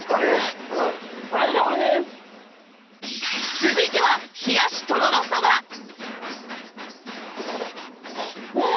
続いてはうん！